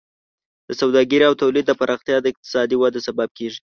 د سوداګرۍ او تولید پراختیا د اقتصادي وده سبب کیږي.